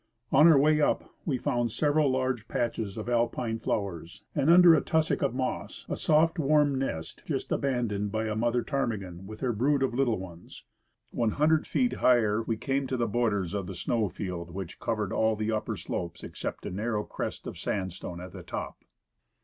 On our way up Ave found several large patches of Alpine flowers and, under a tussock of moss, a soft, warm nest just aban doned by a mother j^tarmigan with her .brood of little ones. One hundred feet higher we came to the borders of the snow field which covered all of the upper slopes except a narrow crest of sandstone at the top.